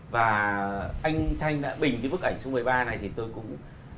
và anh thanh đã bình cái bức ảnh số một mươi ba này thì tôi cũng